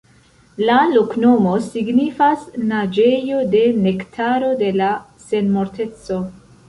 La loknomo signifas: "Naĝejo de Nektaro de la Senmorteco".